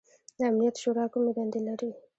د امنیت شورا کومې دندې لري؟